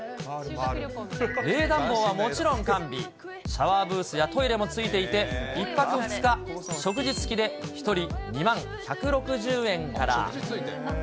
冷暖房はもちろん完備、シャワーブースやトイレも付いていて、１泊２日食事付きで、１人２万１６０円から。